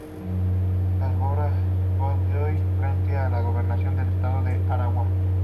Casanova Godoy, frente a la Gobernación del estado Aragua.